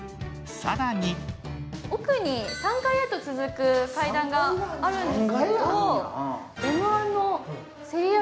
更に奥に３階へと続く階段があるんですけど。